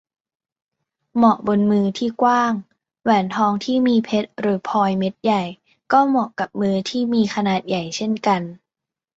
เหมาะบนมือที่กว้าง แหวนทองที่มีเพชรหรือพลอยเม็ดใหญ่ ก็เหมาะกับมือที่มีขนาดใหญ่เช่นกัน